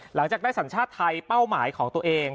หลังจากได้สัญชาติไทยเป้าหมายของตัวเอง